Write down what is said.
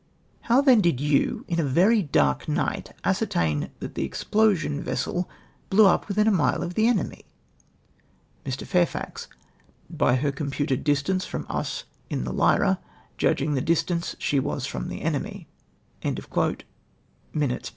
''^" How then did you, in a very dark night, ascertain that the explosion vessel blew up luithin a Tiiile of the enemy?" Me. Fairfax. —" By her computed distance from us in the Lyra, judging the distance she was from the enemy." {Minutes, p.